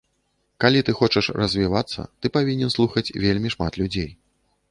Калі ты хочаш развівацца, ты павінен слухаць вельмі шмат людзей.